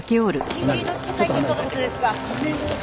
緊急の記者会見との事ですが。